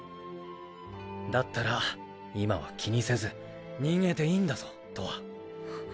だったら今は気にせず逃げていいんだぞとわ。